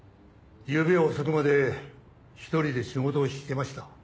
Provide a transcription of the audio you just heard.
ゆうべは遅くまで１人で仕事をしてました。